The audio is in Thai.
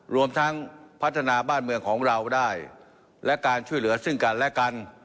รวมทั้งพัฒนาบ้านเมืองของเราได้และการช่วยเหลือซึ่งกันและกัน